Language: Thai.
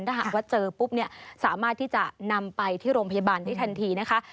ถ้าหากว่าเจอปุ๊บเนี่ยสามารถที่จะนำไปที่โรงพยาบาลได้ทันทีนะคะ